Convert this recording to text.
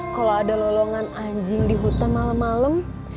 kalo ada lolongan anjing di hutan malem malem